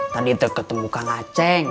tadi deket ketemu kang aceng